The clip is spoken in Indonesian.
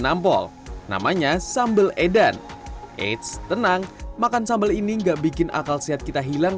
nampol namanya sambal edan eits tenang makan sambal ini enggak bikin akal sehat kita hilang